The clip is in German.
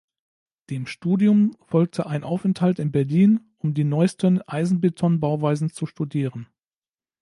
Dem Studium folgte ein Aufenthalt in Berlin, um die neuesten Eisenbeton-Bauweisen zu studieren.